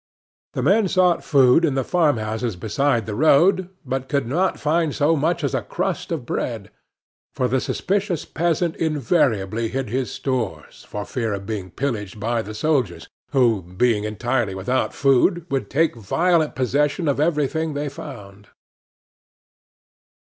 The men sought food in the farmhouses beside the road, but could not find so much as a crust of bread; for the suspicious peasant invariably hid his stores for fear of being pillaged by the soldiers, who, being entirely without food, would take violent possession of everything they found.